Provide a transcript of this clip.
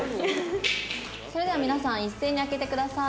「それでは皆さん一斉に開けてください」